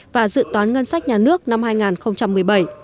và dự toán ngân sách nhà nước năm hai nghìn một mươi bảy